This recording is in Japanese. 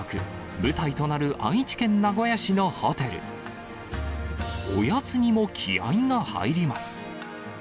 舞台となる愛知県名古屋市おやつにも気合いが入ります。